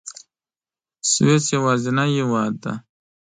سویس یوازینی هېواد دی.